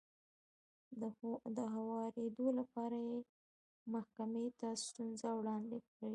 د هوارېدو لپاره يې محکمې ته ستونزه وړاندې کېږي.